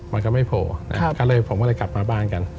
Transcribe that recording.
มันก็ไม่โผล่ก็เลยผมก็เลยกลับมาบ้านกัน